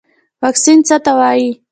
واکسین څه ته وایي